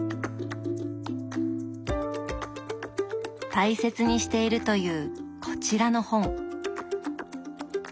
大切にしているというこちらの本。